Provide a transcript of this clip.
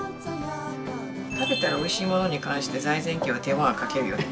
食べたらおいしいものに関して財前家は手間はかけるよね。